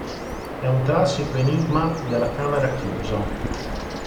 È un classico enigma della camera chiusa.